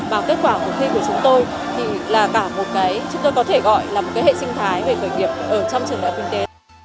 mà kết quả của cuộc thi của chúng tôi là cả một cái chúng tôi có thể gọi là một hệ sinh thái về khởi nghiệp ở trong trường đại học kinh tế